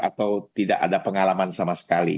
atau tidak ada pengalaman sama sekali